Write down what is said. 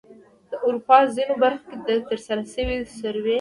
د اروپا په ځینو برخو کې د ترسره شوې سروې